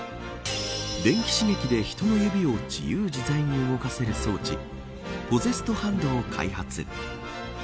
電気刺激で人の指を自由自在に動かせる装置ポゼストハンドを開発。